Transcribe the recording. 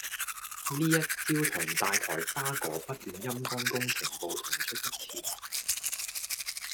呢一招同大台花哥不斷陰乾工程部同出一轍